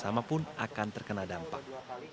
sama pun akan terkena dampak